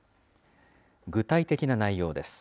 具体的な内容です。